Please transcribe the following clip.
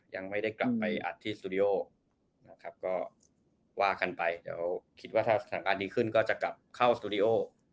ยังไม่ได้กลับไปอัดที่สตูดิโอนะครับก็ว่ากันไปเดี๋ยวคิดว่าถ้าสถานการณ์ดีขึ้นก็จะกลับเข้าสตูดิโอ